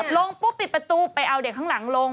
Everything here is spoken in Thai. ลงปุ๊บปิดประตูไปเอาเด็กข้างหลังลง